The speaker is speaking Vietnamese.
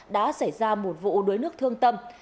đã xảy ra một vụ đối nước thương tâm